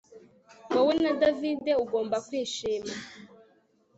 Wowe na David ugomba kwishima